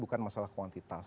bukan masalah kuantitas